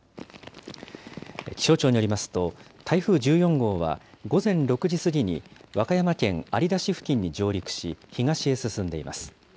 気象庁によりますと、台風１４号は午前６時過ぎに和歌山県有田市付近に上陸し、東へ進んでいます。